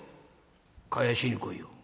返しに来いよ。